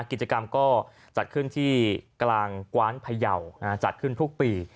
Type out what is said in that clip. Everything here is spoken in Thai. กิจกรรมก็จัดขึ้นที่กลางกว้านพยาวจัดขึ้นทุกปี